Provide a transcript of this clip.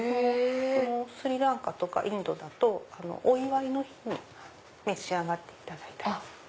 スリランカとかインドだとお祝いの日に召し上がったり。